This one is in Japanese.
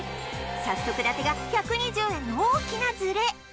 早速伊達が１２０円の大きなズレ